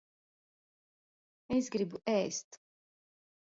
Es gribu ēst.